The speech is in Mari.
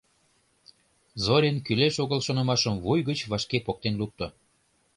Зорин кӱлеш-огыл шонымашым вуй гыч вашке поктен лукто.